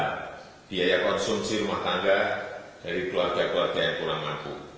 ini adalah perkembangan biaya konsumsi rumah tangga dari keluarga keluarga yang kurang mampu